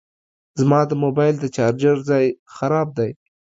زما د موبایل د چارجر ځای خراب دی